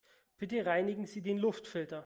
Bitte reinigen Sie den Luftfilter.